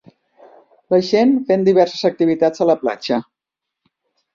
La gent fent diverses activitats a la platja.